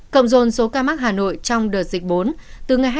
cộng dồn số ca mắc hà nội trong đợt dịch bốn từ ngày hai mươi bảy tháng bốn